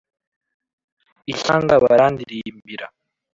Ishyanga barandirimba